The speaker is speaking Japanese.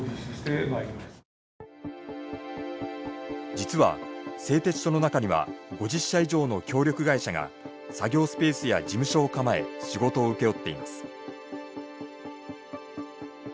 実は製鉄所の中には５０社以上の協力会社が作業スペースや事務所を構え仕事を請け負っています。